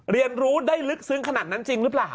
เรียนรู้ได้ลึกซึ้งขนาดนั้นจริงหรือเปล่า